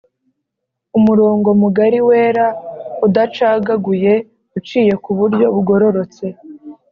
Umurongo mugari wera udacagaguye uciye ku buryo bugororotse